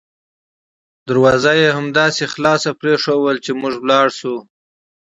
دروازه یې همداسې خلاصه پریښودله چې موږ ولاړ شوو.